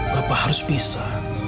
bapak harus bisa